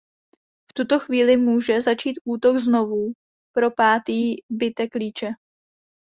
V tuto chvíli může začít útok znovu pro pátý byte klíče.